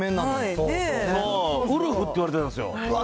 そう、ウルフって言われてたんですよ。